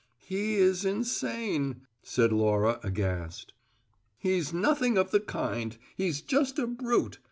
"He is insane!" said Laura, aghast. "He's nothing of the kind; he's just a brute.